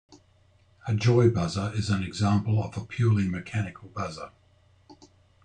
A joy buzzer is an example of a purely mechanical buzzer.